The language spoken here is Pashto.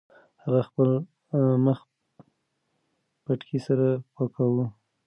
هغه خپل مخ پټکي سره پاکاوه.